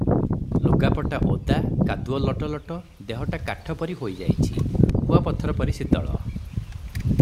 ଲୁଗାପଟା ଓଦା, କାଦୁଅ ଲଟପଟ, ଦେହଟା କାଠ ପରି ହୋଇଯାଇଛି, କୁଆପଥର ପରି ଶୀତଳ ।